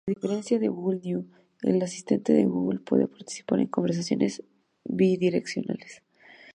A diferencia de Google Now, el Asistente de Google puede participar en conversaciones bidireccionales.